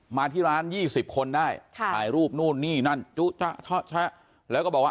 มาที่ร้านยี่สิบคนได้ค่ะชายรูปนู่นนี่นั้นฉะแล้วก็บอกว่า